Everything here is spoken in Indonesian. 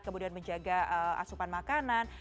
kemudian menjaga asupan makanan